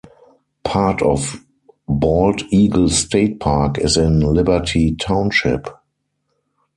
Part of Bald Eagle State Park is in Liberty Township.